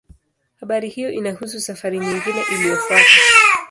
Habari hiyo inahusu safari nyingine iliyofuata.